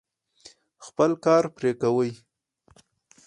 خپل کار پرې کوي.